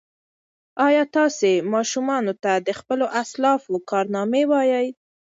ایا تاسي ماشومانو ته د خپلو اسلافو کارنامې وایئ؟